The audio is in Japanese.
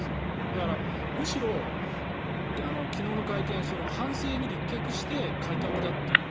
だから、むしろ昨日の会見反省に立脚して改革だという。